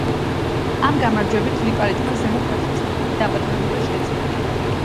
ამ გამარჯვებით ლიპარიტმა ზემო ქართლის დაპატრონება შეძლო.